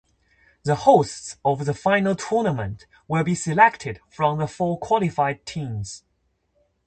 The hosts of the final tournament will be selected from the four qualified teams.